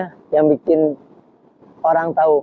itu bisa membuat orang tahu